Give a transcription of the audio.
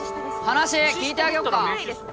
話聞いてあげよっか？